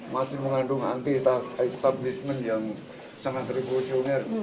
masih mengandung anti establishment yang sangat revolusioner